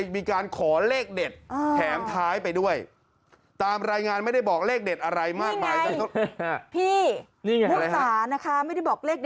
แม่ค้านะคะไม่ได้บอกเลขเด็ดได้ไง